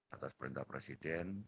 atas perintah presiden